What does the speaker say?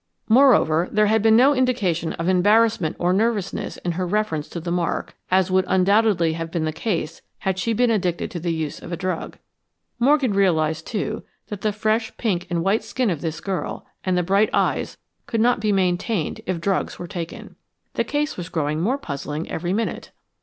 Moreover, there had bean no indication of embarrassment or nervousness in her reference to the mark, as would undoubtedly have been the case had she been addicted to the use of a drug. Morgan realized, too, that the fresh pink and white skin of this girl, and the bright eyes, could not be maintained if drugs were taken. The case was growing more puzzling every minute.